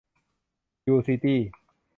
ยู ซิตี้